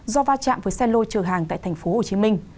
do va chạm với xe lôi chờ hàng tại tp hcm